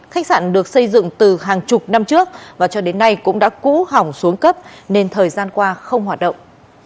khách sạn được xây dựng từ hàng chục năm trước và cho đến nay cũng đã cũ hỏng xuống cấp nên thời gian qua không hoạt động